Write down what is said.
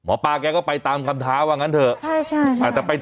ป้าแกก็ไปตามคำท้าว่างั้นเถอะ